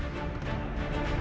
aku akan menangkanmu